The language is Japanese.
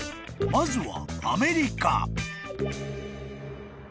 ［まずは］